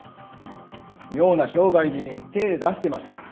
妙な商売に手ぇ出してましたから。